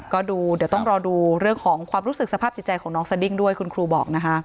ก็ดูเดี๋ยวต้องรอดูเรื่องของความรู้สึกสภาพจิตใจของน้องสดิ้งด้วยคุณครูบอกนะคะ